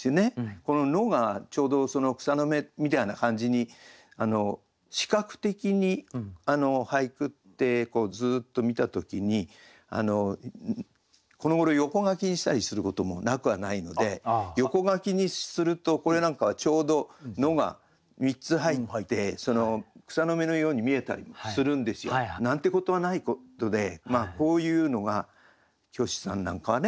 この「の」がちょうど「草の芽」みたいな感じに視覚的に俳句ってずっと見た時にこのごろ横書きにしたりすることもなくはないので横書きにするとこれなんかはちょうど「の」が３つ入って草の芽のように見えたりもするんですよ。なんてことはないことでこういうのが虚子さんなんかはね。